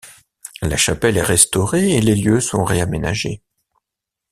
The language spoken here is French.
La chapelle est restaurée et les lieux sont réaménagés.